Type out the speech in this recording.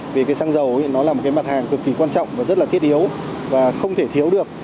vì cái xăng dầu nó là một cái mặt hàng cực kỳ quan trọng và rất là thiết yếu và không thể thiếu được